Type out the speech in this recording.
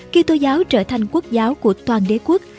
kỹ tô giáo trở thành quốc giáo của toàn đế quốc